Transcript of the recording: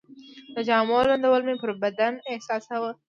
د جامو لوندوالی مې پر بدن احساساوه.